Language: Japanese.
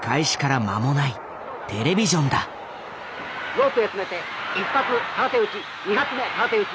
ロープへ詰めて１発空手打ち２発目空手打ち。